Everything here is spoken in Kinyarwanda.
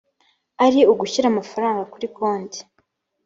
ari ugushyira amafaranga kuri konti